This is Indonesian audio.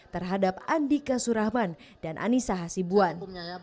terhadap andika surahman dan anissa hasibuan